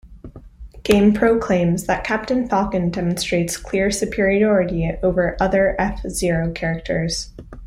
GamePro claims that Captain Falcon demonstrates "clear superiority" over other F-Zero characters.